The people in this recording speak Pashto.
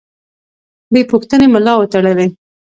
بې پوښتنې ملا ورتړي.